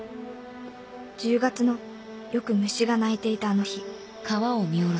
１０月のよく虫が鳴いていたあの日